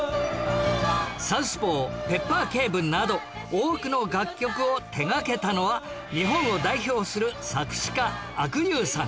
『サウスポー』『ペッパー警部』など多くの楽曲を手掛けたのは日本を代表する作詞家阿久悠さん